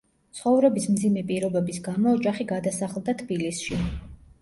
ცხოვრების მძიმე პირობების გამო ოჯახი გადასახლდა თბილისში.